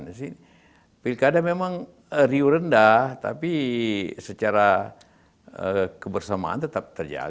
jadi pilkada memang riuh rendah tapi secara kebersamaan tetap terjaga